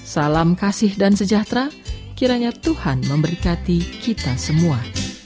salam kasih dan sejahtera kiranya tuhan memberkati kita semua